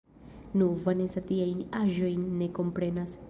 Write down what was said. Nu, Vanesa tiajn aĵojn ne komprenas.